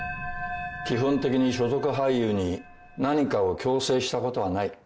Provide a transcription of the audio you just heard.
基本的に所属俳優に何かを強制したことはない。